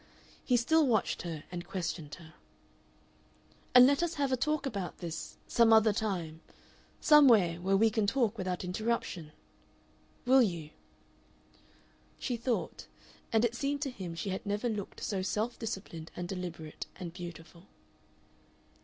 He still watched her and questioned her. "And let us have a talk about this some other time. Somewhere, where we can talk without interruption. Will you?" She thought, and it seemed to him she had never looked so self disciplined and deliberate and beautiful.